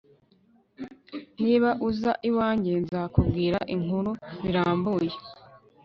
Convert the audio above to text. niba uza iwanjye, nzakubwira inkuru birambuye